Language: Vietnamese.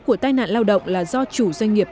của tai nạn lao động là do chủ doanh nghiệp